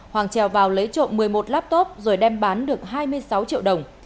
hoàng trèo vào lấy trộm một mươi một laptop rồi đem bán được hai mươi sáu triệu đồng